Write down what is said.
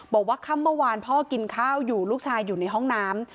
บอกว่าค่ำเมื่อวานพ่อกินข้าวอยู่ลูกชายอยู่ในห้องน้ำ